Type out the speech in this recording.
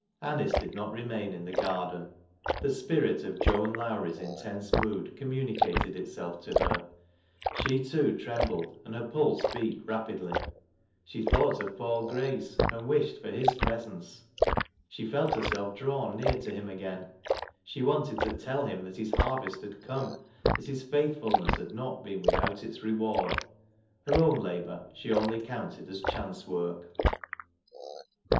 Anice did not remain in the garden. 'Jhe spirit oJ Joan Lowrie's intense mood communicated itself to hei . She, too, trembled and her pulse beat rapidly. She thought of Paul Grace and wished for his presence. She felt herself drawn near to him again. She wanted to tell him that his harvest had come, that his faithfulness had not been without its reward. Her own labor she only counted as chance work.